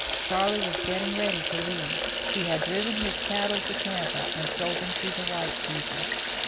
Charley was getting ready to leave; he had driven his cattle to Tampa and sold them to the white people.